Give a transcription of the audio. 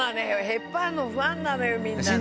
ヘプバーンのファンなのよみんな。